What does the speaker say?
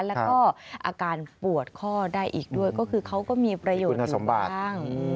แล้วก็อาการปวดข้อได้อีกด้วยก็คือเขาก็มีประโยชน์